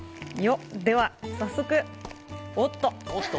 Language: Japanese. では、早速おっと！